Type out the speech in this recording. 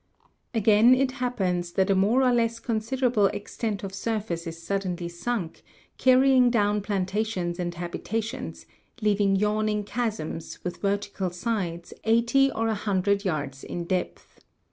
Again it happens that a more or less considerable extent of surface is suddenly sunk, carrying down plantations and habitations, leaving yawning chasms, with vertical sides, eighty or a hundred yards in depth.